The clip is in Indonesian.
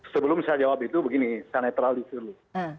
sebelum saya jawab itu begini saya netralisir dulu